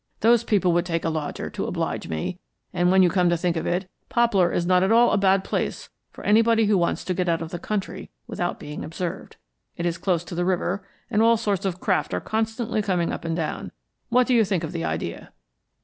Those people would take a lodger to oblige me, and when you come to think of it, Poplar is not at all a bad place for anybody who wants to get out of the country without being observed. It is close to the river, and all sorts of craft are constantly going up and down. What do you think of the idea?"